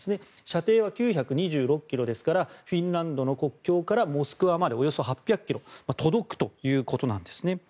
射程は９２６ｋｍですからフィンランドの国境からモスクワまでおよそ８００ｋｍ届くということなんですね。